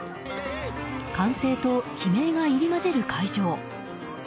歓声と悲鳴が入り混じる会場。